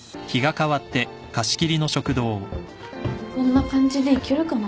こんな感じでいけるかな？